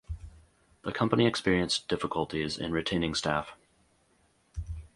The company experienced difficulties in retaining staff.